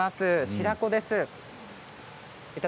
白子です。